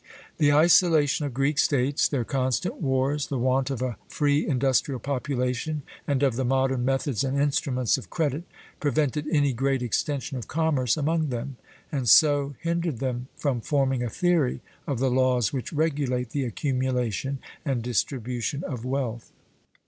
The isolation of Greek states, their constant wars, the want of a free industrial population, and of the modern methods and instruments of 'credit,' prevented any great extension of commerce among them; and so hindered them from forming a theory of the laws which regulate the accumulation and distribution of wealth.